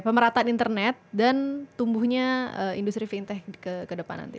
pemerataan internet dan tumbuhnya industri fintech ke depan nanti